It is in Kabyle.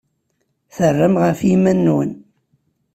Terram ɣef yiman-nwen.